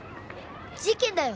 事件だよ！